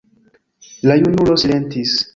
La junulo silentis.